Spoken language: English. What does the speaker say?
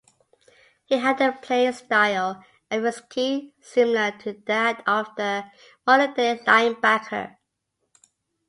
He had a playing style and physique similar to that of the modern-day linebacker.